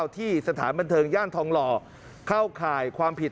ที่สถานบันเทิงย่านทองหล่อเข้าข่ายความผิด